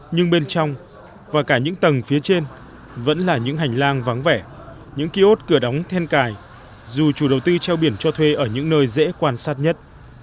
nhưng bên trong và cả những tầng phía trên vẫn là những hành lang vắng vẻ những ký ốt cửa đóng then cài dù chủ đầu tư treo biển cho thuê ở những nơi dễ quan sát nhất